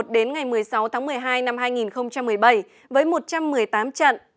đến ngày một mươi sáu tháng một mươi hai năm hai nghìn một mươi bảy với một trăm một mươi tám trận